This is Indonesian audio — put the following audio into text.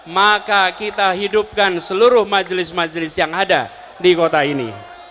maka kita hidupkan seluruh majelis majelis yang ada di kota ini